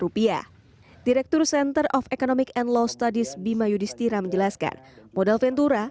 rupiah direktur center of economic and law studies bima yudhistira menjelaskan modal ventura